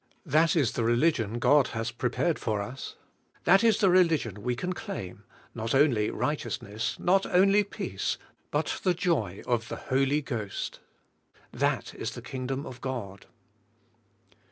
That is the religion God has prepared for us; that is the religion we can claim; not only righteousness, not only peace, but the joy of the Holy Ghost. That is the Kingdom of God.